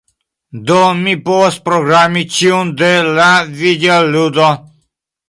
Do mi povas programi ĉion de la videoludo.